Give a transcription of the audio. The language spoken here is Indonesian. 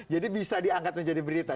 jadi bisa diangkat menjadi berita